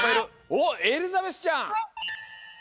おっエリザベスちゃん。いこう！